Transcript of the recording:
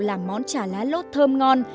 làm món trà lá lốt thơm ngon